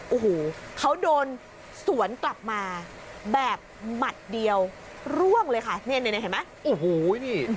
โอ้โหเขาโดนสวนกลับมาแบบหมัดเดียวร่วงเลยค่ะเนี่ยเห็นไหมโอ้โหนี่